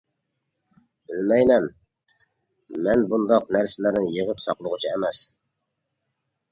-بىلمەيمەن، مەن بۇنداق نەرسىلەرنى يىغىپ ساقلىغۇچى ئەمەس.